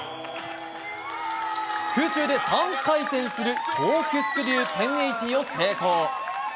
空中で３回転するコークスクリュー１０８０を成功。